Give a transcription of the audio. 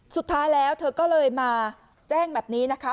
สุดท้ายแล้วเธอก็เลยมาแจ้งแบบนี้นะคะ